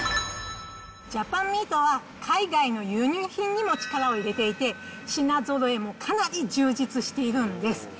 ジャパンミートは海外の輸入品にも力を入れていて、品ぞろえもかなり充実しているんです。